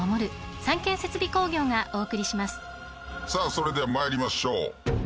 それでは参りましょう。